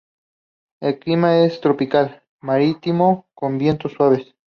El clima es tropical marítimo con vientos suaves.